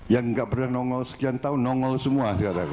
yang gak pernah nongol sekian tahun nongol semua